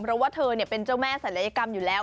เพราะว่าเธอเป็นเจ้าแม่ศัลยกรรมอยู่แล้ว